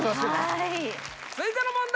はい続いての問題